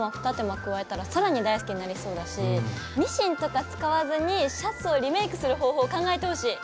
間加えたら更に大好きになりそうだしミシンとか使わずにシャツをリメイクする方法を考えてほしい！